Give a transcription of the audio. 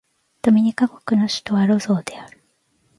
ドミニカ国の首都はロゾーである